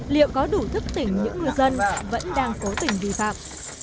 liệu có đủ thức tỉnh những ngư dân vẫn đang cố tình vi phạm